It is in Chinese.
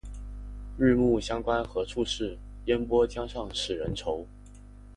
日暮乡关何处是？烟波江上使人愁。